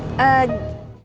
aku harus pergi